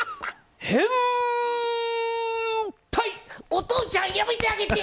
お父ちゃんやめてあげて！